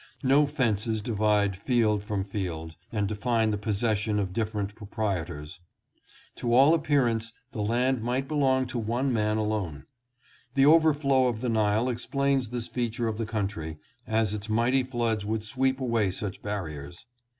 No fences divide field from field and define the possession of dif ferent proprietors. To all appearance the land might belong to one man alone. The overflow of the Nile explains this feature of the country, as its mighty floods would sweep away such barriers.